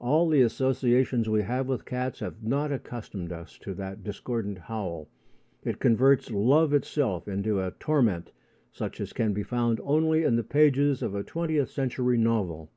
All the associations we have with cats have not accustomed us to that discordant howl. It converts love itself into a torment such as can be found only in the pages of a twentieth century novel.